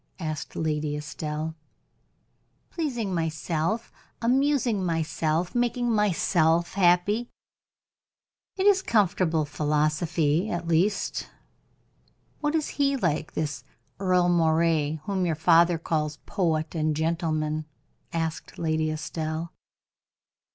asked Lady Estelle. "Pleasing myself, amusing myself, making myself happy." "It is comfortable philosophy at least. What is he like, this Earle Moray, whom your father calls poet and gentleman?" asked Lady Estelle.